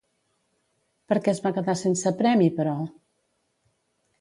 Per què es va quedar sense premi, però?